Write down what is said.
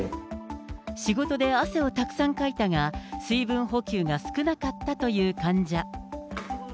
仕事で汗をたくさんかいたが、水分補給が少なかったという患者。